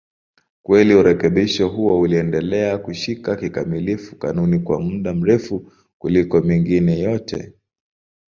Kweli urekebisho huo uliendelea kushika kikamilifu kanuni kwa muda mrefu kuliko mengine yote.